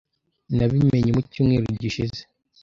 Nabimenye mu cyumweru gishize.